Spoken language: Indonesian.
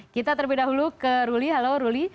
kita terlebih dahulu ke ruli halo ruli